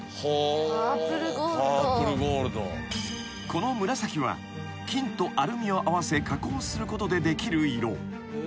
［この紫は金とアルミを合わせ加工することでできる色］